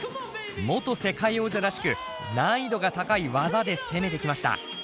元世界王者らしく難易度が高い技で攻めてきました。